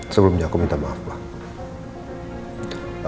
sebelumnya aku minta maaf pak